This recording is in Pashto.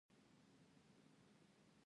د ښاپورو ښار.